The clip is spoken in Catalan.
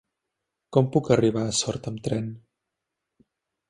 Com puc arribar a Sort amb tren?